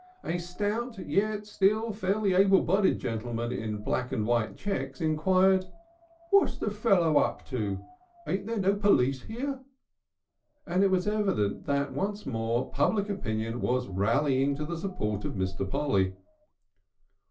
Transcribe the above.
A stout yet still fairly able bodied gentleman in white and black checks enquired: "What's the fellow up to? Ain't there no police here?" and it was evident that once more public opinion was rallying to the support of Mr. Polly.